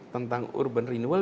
tentang urban renewal